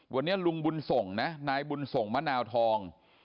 วันนี้ลุงบุญส่งนะนายบุญส่งมะนาวทอง